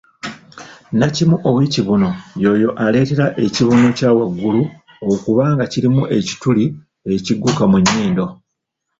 Nnakimu ow'ekibuno y'oyo aleetera ekibuno kya waggulu okuba nga kirimu ekituli ekigguka mu nnyindo